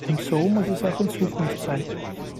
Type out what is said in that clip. Und so muss es auch in Zukunft sein.